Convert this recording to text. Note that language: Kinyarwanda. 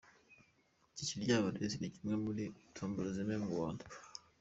Iki Kiryabarezi ni imwe muri tombola zeweme mu Rwanda.